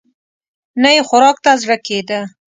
نه يې خوراک ته زړه کېده.